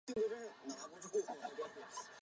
全段名为京广铁路邯和支线。